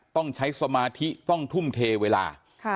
ต้องใช้สมาธิต้องทุ่มเทเวลา